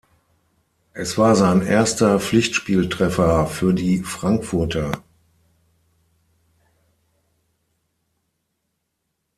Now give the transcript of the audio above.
Es war sein erster Pflichtspieltreffer für die Frankfurter.